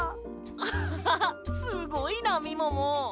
アッハハすごいなみもも。